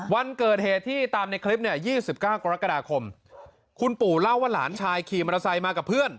วันเกิดเหตุที่ตามในคลิปเนี่ย๒๙กรกฎาคมคุณปู่เล่าว่าหลานชายขี่มอเตอร์ไซค์มากับเพื่อน